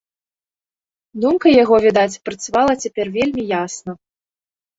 Думка яго, відаць, працавала цяпер вельмі ясна.